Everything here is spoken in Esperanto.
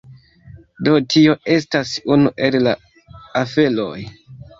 Do tio estas unu el la aferoj.